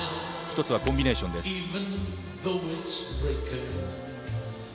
１つはコンビネーションです。